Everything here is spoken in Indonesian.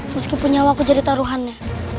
meskipun nyawa aku jadi taruhannya